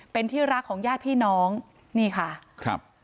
เป็นที่รักของญาติพี่น้องนี่ค่ะครับ